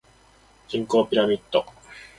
人口ピラミッド